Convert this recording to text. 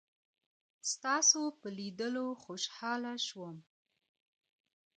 ستاسو په لیدلو خوشحاله شوم.